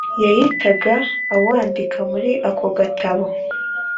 yahitaga awandika muri ako gatabo